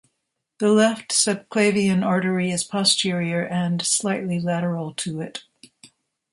The left subclavian artery is posterior and slightly lateral to it.